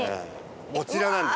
こちらなんです。